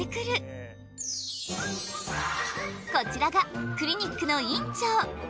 こちらがクリニックの院長。